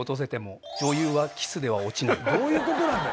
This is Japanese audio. どういうことなんだよ